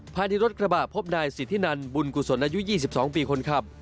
ที่รถกระบะพบนายสิทธินันบุญกุศลอายุ๒๒ปีคนขับ